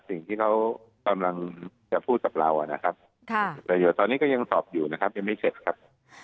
สิ่งที่เขากำลังจะพูดกับเรานะครับตอนนี้ก็ยังสอบอยู่นะครับยังไม่เสร็จครับ